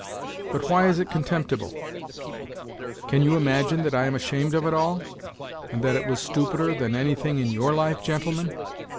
But why is it con temptible ? Can you imagine that I am ashunu d of it all, and that it was stupider than anything in your life, gentlemen